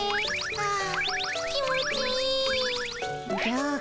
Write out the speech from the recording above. ああ。